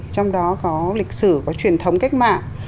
trong đó có lịch sử có truyền thống cách mạng